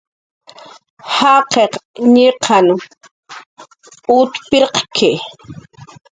Jaqiq ñiqan ut pirqki